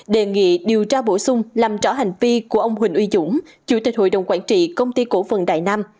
đề nghị điều tra bổ sung làm rõ hành vi của ông huỳnh uy dũng chủ tịch hội đồng quản trị công ty cổ phần đại nam